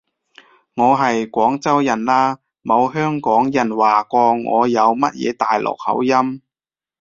我係廣州人啦，冇香港人話過我有乜嘢大陸口音